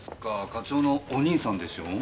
課長のお兄さんでしょお？